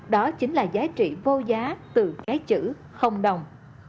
đó chính là giá trị vô giá từ cái chữ không đồng